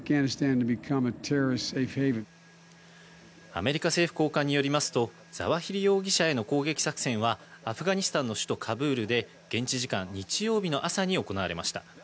アメリカ政府高官によりますと、ザワヒリ容疑者への攻撃作戦は、アフガニスタンの首都・カブールで現地時間日曜日の朝に行われました。